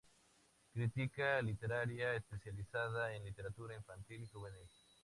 Crítica literaria especializada en literatura infantil y juvenil.